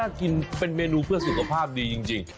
กินเป็นเมนูเพื่อสุขภาพดีจริง